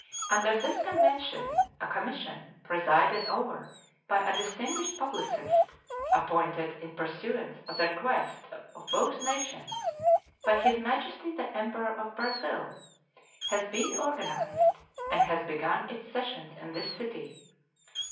Under this convention a commission, presided over by a distinguished publicist, appointed in pursuance of the request of both nations by His Majesty the Emperor of Brazil, has been organized and has begun its sessions in this city.